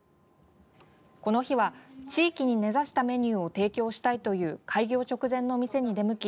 この日は地域に根差したメニューを提供したいという開業直前の店に出向き